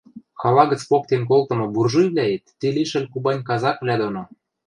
Хала гӹц поктен колтымы буржуйвлӓэт ти лишӹл Кубань казаквлӓ доно